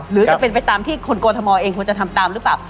หรือจะเป็นไปตามที่คนกรทมเองควรจะทำตามหรือเปล่า